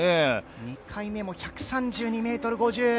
２回目も１３２ｍ５０。